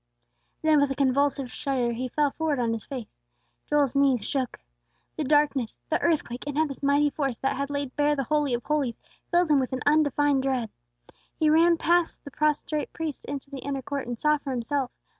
_" Then with a convulsive shudder he fell forward on his face. Joel's knees shook. The darkness, the earthquake, and now this mighty force that had laid bare the Holy of Holies, filled him with an undefined dread. He ran past the prostrate priest into the inner court, and saw for himself.